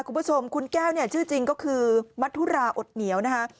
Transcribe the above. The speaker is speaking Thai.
คุณผู้ชมคุณแก้วเนี่ยชื่อจริงก็คือมัธุราอดเหนียวนะคะ